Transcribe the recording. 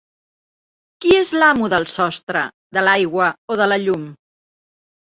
Qui és l’amo del sostre, de l’aigua o de la llum?